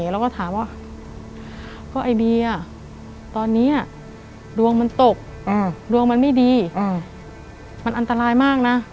แล้วก็ถามว่าก็ไอเดียตอนนี้ดวงมันตกดวงมันไม่ดีมันอันตรายมากนะ